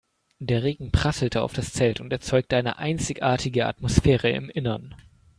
Der Regen prasselte auf das Zelt und erzeugte eine einzigartige Atmosphäre im Innern.